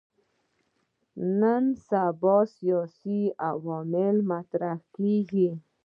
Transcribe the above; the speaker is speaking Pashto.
نن سبا سیاسي علومو مطرح کېږي.